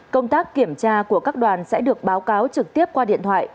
công tác kiểm tra của các đoàn sẽ được báo cáo trực tiếp qua điện thoại